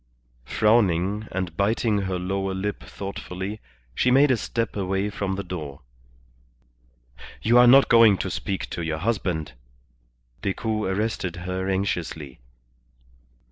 Frowning, and biting her lower lip thoughtfully, she made a step away from the door. "You are not going to speak to your husband?" Decoud arrested her anxiously.